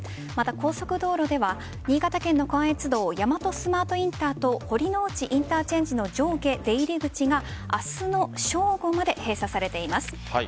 高速道路では新潟県の関越道大和スマートインターと堀之内インターチェンジの上下出入り口が明日の正午まで閉鎖されています。